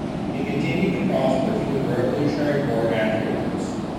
It continued to prosper through the Revolutionary War and afterwards.